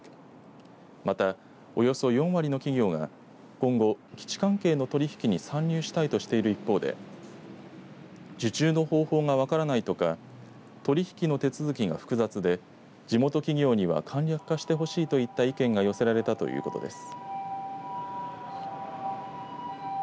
また、およそ４割の企業が今後、基地関係の取り引きに参入したいとしている一方で受注の方法が分からないとか取り引きの手続きが複雑で地元企業には簡略化してほしいといった意見が寄せられたということです。